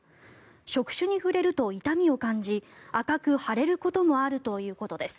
触手に触れると痛みを感じ赤く腫れることもあるということです。